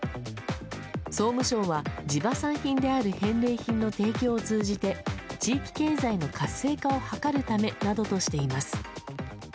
総務省は、地場産品である返礼品の提供を通じて地域経済の活性化を図るためなどとしています。